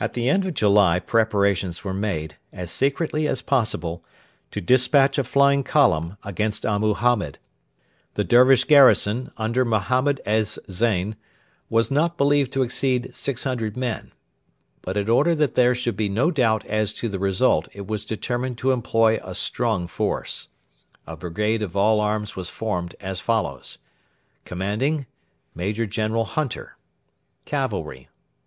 At the end of July preparations were made, as secretly as possible, to despatch a flying column against Abu Hamed. The Dervish garrison, under Mohammed ez Zein, was not believed to exceed 600 men, but in order that there should be no doubt as to the result it was determined to employ a strong force. A brigade of all arms was formed as follows: Commanding: MAJOR GENERAL HUNTER Cavalry.......